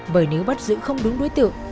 bởi nếu bắt giữ không đúng đối tượng